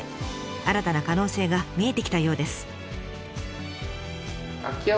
新たな可能性が見えてきたようです。